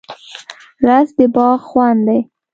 رس د باغ خوند دی